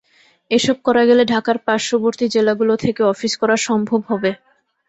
এসব করা গেলে ঢাকার পার্শ্ববর্তী জেলাগুলো থেকে অফিস করা সম্ভব হবে।